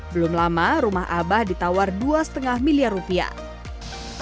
belum lama rumah abah ditawar dua lima miliar rupiah